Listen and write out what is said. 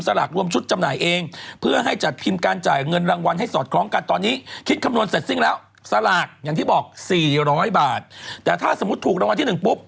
ศาลากอย่างที่บอก๔๐๐บาทแต่ถ้าสมมุติถูกรางวัลที่๑ปุ๊บ